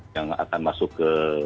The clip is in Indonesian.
yang akan masuk ke